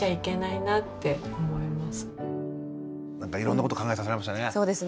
なんかいろんなこと考えさせられましたね。